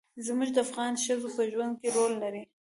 زمرد د افغان ښځو په ژوند کې رول لري.